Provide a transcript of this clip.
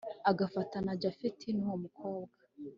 agafatana japhet nuwo mukobwa